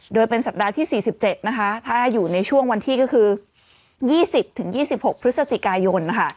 โดยเป็นสัปดาห์ที่๔๗นะคะถ้าอยู่ในช่วงวันที่ก็คือ๒๐๒๖พฤศจิกายนนะคะ